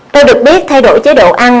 tôi được biết thay đổi chế độ ăn